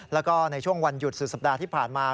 แล้วก็ในช่วงวันหยุดสุดสัปดาห์ที่ผ่านมา